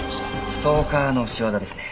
ストーカーの仕業ですね。